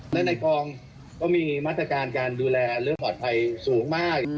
และในกองก็มีมาตรการการดูแลเรื่องปลอดภัยสูงมาก